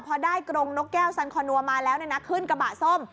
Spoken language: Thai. พอได้กรงนกแก้วสันคอนัวมาแล้วขึ้นกระบะส้ม